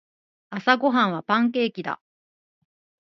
朝ごはんはパンケーキだ。